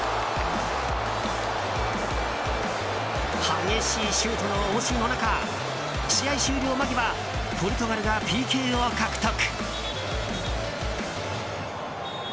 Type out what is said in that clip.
激しいシュートの応酬の中試合終了間際ポルトガルがＰＫを獲得。